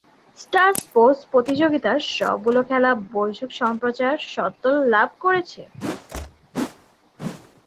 Star sports প্রতিযোগিতার সবগুলো খেলা বৈশ্বিক সম্প্রচার স্বত্ত্ব লাভ করেছে।